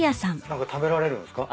何か食べられるんすか？